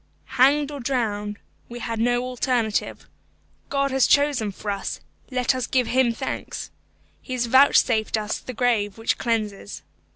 Hanged or drowned we had no alternative. God has chosen for us; let us give Him thanks. He has vouchsafed us the grave which cleanses.